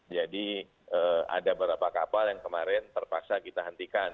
jadi ada beberapa kapal yang kemarin terpaksa kita hentikan